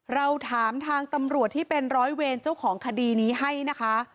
เราถามทางตำรวจที่เป็นร้อยเวรเจ้าของคดีนี้ให้นะคะ